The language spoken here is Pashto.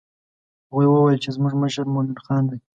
هغوی وویل چې زموږ مشر مومن خان دی.